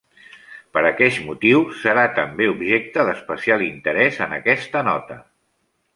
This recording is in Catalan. Per aqueix motiu serà també objecte d'especial interès en aquesta nota.